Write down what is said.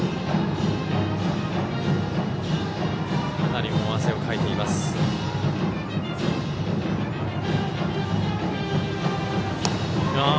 かなり汗をかいています、高橋。